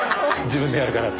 自分でやるから。